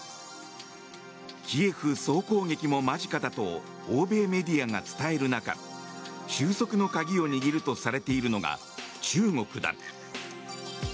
キエフ総攻撃も間近だと欧米メディアが伝える中収束の鍵を握るとされているのが中国だ。